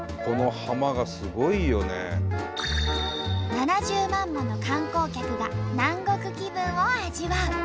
７０万もの観光客が南国気分を味わう。